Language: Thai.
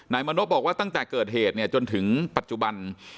มณพบอกว่าตั้งแต่เกิดเหตุเนี่ยจนถึงปัจจุบัน